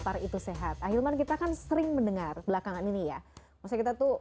pemirsa anda masih menyaksikan gapai kemuliaan ramadhan